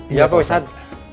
iya pak ustadz